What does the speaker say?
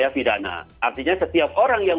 pidana artinya setiap orang yang